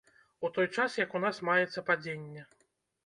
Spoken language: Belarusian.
У той час як у нас маецца падзенне.